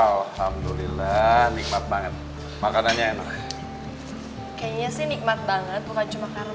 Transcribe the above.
alhamdulillah nikmat banget makanannya enak kayaknya sih nikmat banget bukan cuma karena